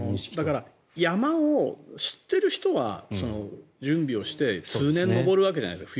だから山を知っている人は準備して通年登るわけじゃないですか。